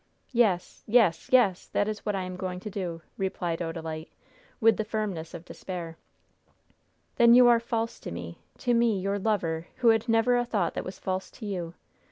"Yes, yes, yes! that is what I am going to do!" replied Odalite, with the firmness of despair. "Then you are false to me to me, your lover, who had never a thought that was false to you!